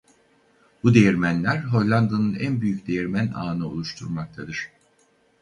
Bu değirmenler Hollanda'nın en büyük değirmen ağını oluşturmaktadır.